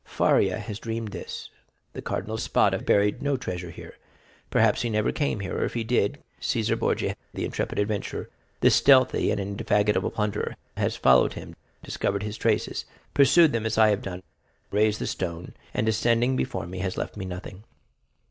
Faria has dreamed this; the Cardinal Spada buried no treasure here; perhaps he never came here, or if he did, Cæsar Borgia, the intrepid adventurer, the stealthy and indefatigable plunderer, has followed him, discovered his traces, pursued them as I have done, raised the stone, and descending before me, has left me nothing."